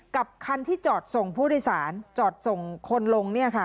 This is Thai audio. กับคันที่จอดส่งผู้โดยสารจอดส่งคนลงเนี่ยค่ะ